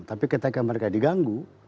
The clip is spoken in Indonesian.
tapi ketika mereka diganggu